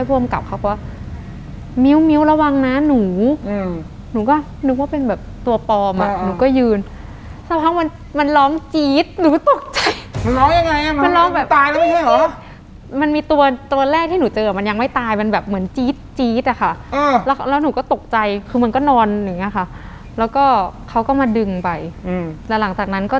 ภูมิกับเขาก็มิ้วมิ้วระวังนะหนูอืมหนูหนูก็นึกว่าเป็นแบบตัวปลอมอ่ะหนูก็ยืนสักพักมันมันร้องจี๊ดหนูก็ตกใจมันร้องยังไงอ่ะมันร้องแบบตายแล้วไม่ใช่เหรอมันมีตัวตัวแรกที่หนูเจอมันยังไม่ตายมันแบบเหมือนจี๊ดจี๊ดอ่ะค่ะแล้วหนูก็ตกใจคือมันก็นอนอย่างเงี้ยค่ะแล้วก็เขาก็มาดึงไปแล้วหลังจากนั้นก็